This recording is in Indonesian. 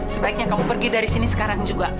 sebaiknya kamu pergi dari sini sekarang juga